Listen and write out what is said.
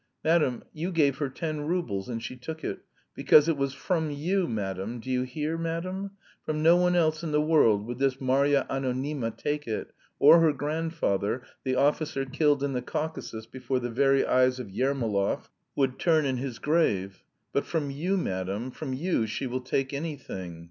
Madam, you gave her ten roubles and she took it, because it was from you, madam! Do you hear, madam? From no one else in the world would this Marya Anonyma take it, or her grandfather, the officer killed in the Caucasus before the very eyes of Yermolov, would turn in his grave. But from you, madam, from you she will take anything.